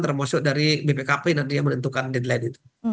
termasuk dari bpkp nanti yang menentukan deadline itu